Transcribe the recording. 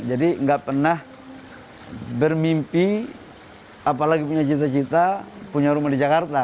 jadi gak pernah bermimpi apalagi punya cita cita punya rumah di jakarta